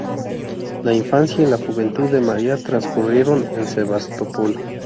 La infancia y la juventud de María transcurrieron en Sebastopol.